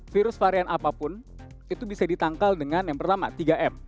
virus varian apapun itu bisa ditangkal dengan yang pertama tiga m